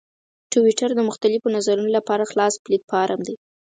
ټویټر د مختلفو نظرونو لپاره خلاص پلیټفارم دی.